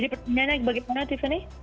jadi pertanyaannya bagaimana tiffany